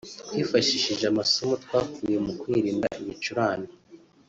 twifashishije amasomo twakuye mu kwirinda ibicurane